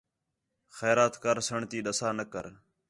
خیرات کَرسݨ تی ݙَسا نہ کر